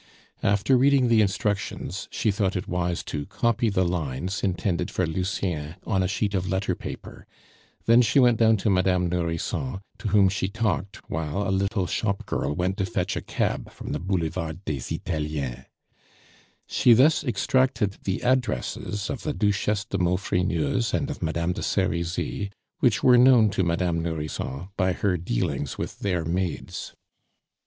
After reading the instructions, she thought it wise to copy the lines intended for Lucien on a sheet of letter paper; then she went down to Madame Nourrisson, to whom she talked while a little shop girl went to fetch a cab from the Boulevard des Italiens. She thus extracted the addresses of the Duchesse de Maufrigneuse and of Madame de Serizy, which were known to Madame Nourrisson by her dealings with their maids.